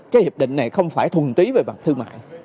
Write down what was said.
cái hiệp định này không phải thuần tí về mặt thương mại